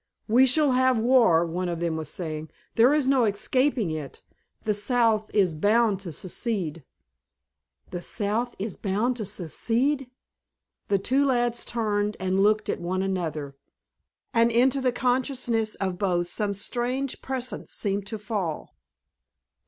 "We shall have war," one of them was saying, "there is no escaping it. The South is bound to secede." The South is bound to secede! The two lads turned and looked at one another, and into the consciousness of both some strange prescience seemed to fall.